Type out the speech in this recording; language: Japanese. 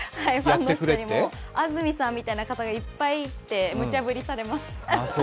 安住さんみたいな方がいっぱい来てむちゃぶりされます。